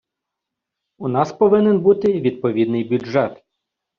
У нас повинен бути відповідний бюджет.